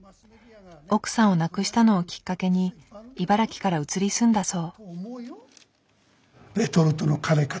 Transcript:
奥さんを亡くしたのをきっかけに茨城から移り住んだそう。